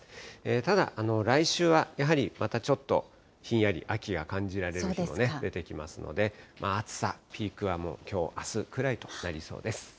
ただ、来週はやはりまたちょっとひんやり、秋が感じられる日もね、出てきますので、暑さ、ピークはもう、きょうあすくらいとなりそうです。